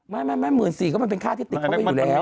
ไม่ไม่ไม่หมื่นสี่ก็มันเป็นค่าที่ติดเข้าไปอยู่แล้ว